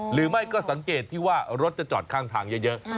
หรือไม่ก็สังเกตที่ว่ารถจะจอดข้างทางเยอะ